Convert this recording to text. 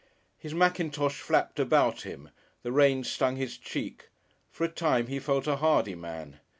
His mackintosh flapped about him, the rain stung his cheek; for a time he felt a hardy man.